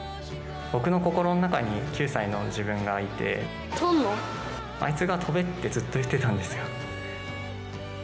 僕の心の中に９歳の自分がいてあいつが跳べってずっといってたんですよ。